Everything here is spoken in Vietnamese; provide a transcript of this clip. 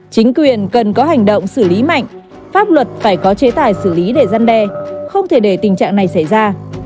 chính quyền cần có hành động xử lý mạnh pháp luật phải có chế tài xử lý để gian đe không thể để tình trạng này xảy ra